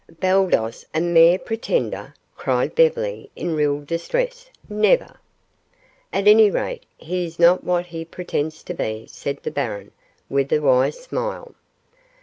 "Baldos a mere pretender," cried Beverly in real distress. "Never!" "At any rate, he is not what he pretends to be," said the baron, with a wise smile.